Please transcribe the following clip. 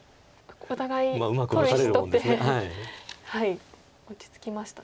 お互い取る石取って落ち着きましたね。